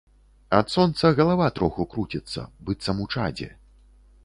Ад сонца галава троху круціцца, быццам у чадзе.